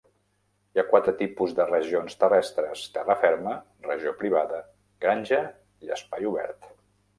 Hi ha quatre tipus de regions terrestres: terra ferma, regió privada, granja i espai obert.